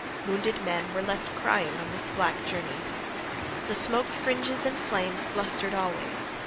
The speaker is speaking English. Wounded men were left crying on this black journey. The smoke fringes and flames blustered always.